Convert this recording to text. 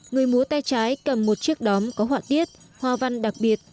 người múa tay trái cầm một chiếc đóm có họa tiết hoa văn đặc biệt tay phải cầm một chiếc đồng tiền